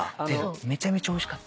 めちゃめちゃおいしかった。